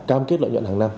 cam kết lợi nhuận hàng năm